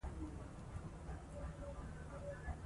ترکیب د ژبې یو مهم واحد دئ.